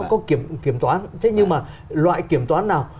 có kiểm toán thế nhưng mà loại kiểm toán nào